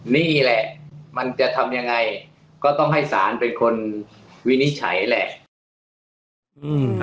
นี่แหละมันจะทำยังไงก็ต้องให้ศาลเป็นคนวินิจฉัยแหละ